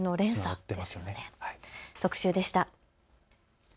特集でした。